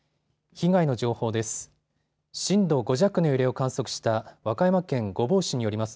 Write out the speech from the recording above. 被害の情報です。